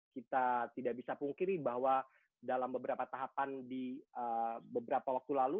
kita tidak bisa pungkiri bahwa dalam beberapa tahapan di beberapa waktu lalu